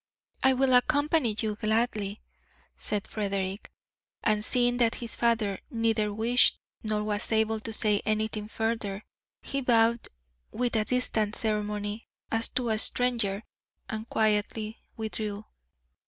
"I will accompany you gladly," said Frederick, and seeing that his father neither wished nor was able to say anything further, he bowed with distant ceremony as to a stranger and quietly withdrew.